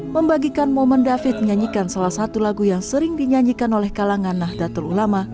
membagikan momen david menyanyikan salah satu lagu yang sering dinyanyikan oleh kalangan nahdlatul ulama